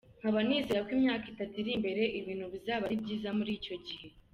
Nkaba nizera ko imyaka itatu iri imbere ibintu bizaba ari byiza muri icyo gihe.